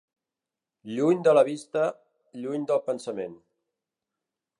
Lluny de la vista, lluny del pensament.